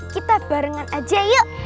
kita barengan aja yuk